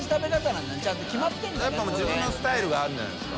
自分のスタイルがあるんじゃないですか？